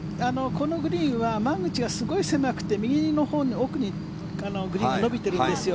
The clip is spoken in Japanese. このグリーンは間口がすごく狭くて右の奥のほうにグリーンが伸びているんですよ。